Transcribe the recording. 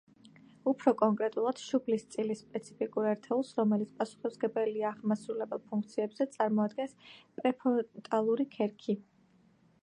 უფრო კონკრეტულად, შუბლის წილის სპეციფიკურ ერთეულს, რომელიც პასუხისმგებელია აღმასრულებელ ფუნქციებზე წარმოადგენს პრეფრონტალური ქერქი.